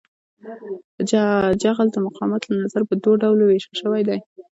جغل د مقاومت له نظره په دوه ډلو ویشل شوی دی